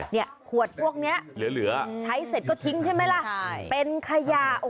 แล้วก็สร้างมูลค่าเพิ่มด้วยขวดพวกนี้ใช้เสร็จก็ทิ้งใช่ไหมล่ะเป็นขยา